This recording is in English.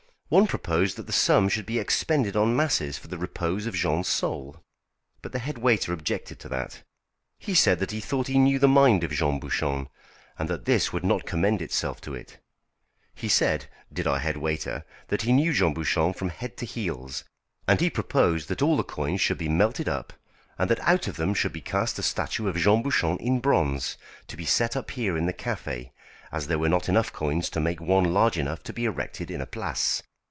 One proposed that the sum should be expended on masses for the repose of Jean's soul. But the head waiter objected to that. He said that he thought he knew the mind of Jean Bouchon, and that this would not commend itself to it. He said, did our head waiter, that he knew Jean Bouchon from head to heels. And he proposed that all the coins should be melted up, and that out of them should be cast a statue of Jean Bouchon in bronze, to be set up here in the café, as there were not enough coins to make one large enough to be erected in a Place.